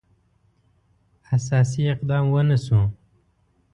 اساسي اقدام ونه شو.